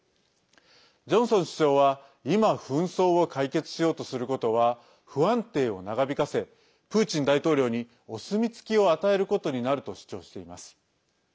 ジョンソン首相は、いま紛争を解決しようとすることは不安定を長引かせプーチン大統領にお墨付きを与えることになると主張しています。